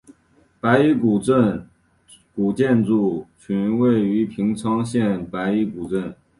白衣古镇古建筑群位于平昌县白衣古镇。